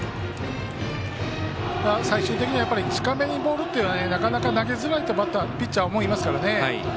最終的には、近めのボールっていうのはなかなか投げづらいとピッチャー、思いますから。